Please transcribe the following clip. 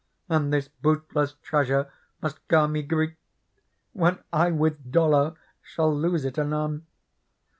And this bootless treasure must gar me greet,i When I with dolour shall lose it anon.